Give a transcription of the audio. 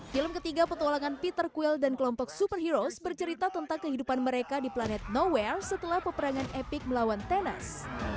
film ketiga petualangan peter quill dan kelompok superheroes bercerita tentang kehidupan mereka di planet nowhere setelah peperangan epik melawan thanos